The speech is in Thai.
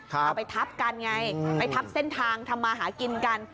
เอาไปทับกันไงไปทับเส้นทางทำมาหากินกัน